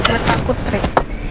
eh kaya takut trik